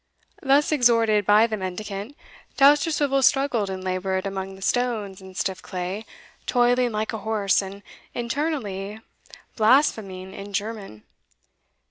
Thus exhorted by the mendicant, Dousterswivel struggled and laboured among the stones and stiff clay, toiling like a horse, and internally blaspheming in German.